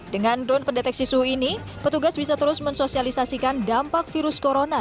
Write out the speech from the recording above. dengan drone pendeteksi suhu ini petugas bisa terus mensosialisasikan dampak virus corona